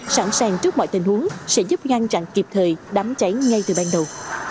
sẵn sàng trước mọi tình huống sẽ giúp ngăn chặn kịp thời đám cháy ngay từ ban đầu